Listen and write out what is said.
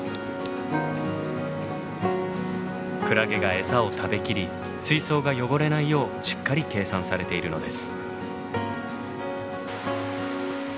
クラゲがエサを食べきり水槽が汚れないようしっかり計算されているのです。